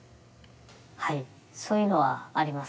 はいそういうのはあります。